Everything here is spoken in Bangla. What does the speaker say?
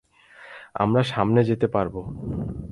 আমরা সামনে যেতে পারব।